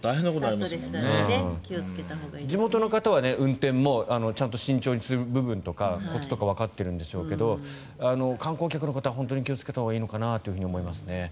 地元の方は運転もちゃんと慎重にしている部分とかコツとかわかってるんでしょうけど観光客の方は本当に気をつけたほうがいいのかなと思いますね。